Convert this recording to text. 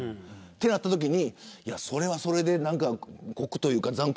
そうなったときにそれはそれで残酷というか。